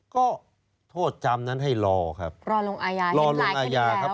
ก็โทษจำนั้นให้รอครับรอลงอายาเห็นหลายคณีแล้ว